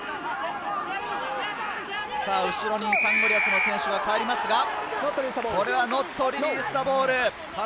後ろにサンゴリアスの選手がいますが、ノットリリースザボール。